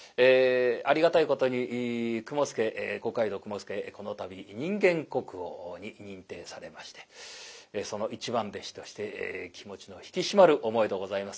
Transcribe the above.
ありがたいことに雲助五街道雲助この度人間国宝に認定されましてその一番弟子として気持ちの引き締まる思いでございます。